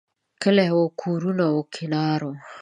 کلی و، کورونه و، کتار و